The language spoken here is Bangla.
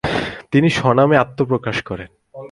তিনি স্বনামে আত্নপ্রকাশ করেন।